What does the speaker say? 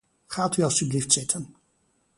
Gaat u alstublieft zitten.